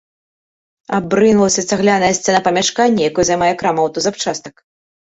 Абрынулася цагляная сцяна памяшкання, якое займае крама аўтазапчастак.